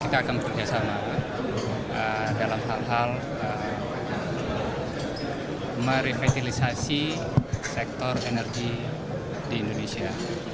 kita akan bekerjasama dalam hal hal merevitalisasi sektor energi di indonesia